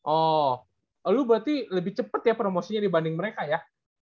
oh lu berarti lebih cepat ya promosinya dibanding mereka ya